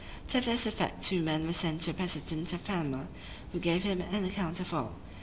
To this effect two men were sent to the president of Panama, who gave him an account of all.